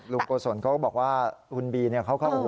ลุงโกสนก็บอกว่าคุณบีเขาก็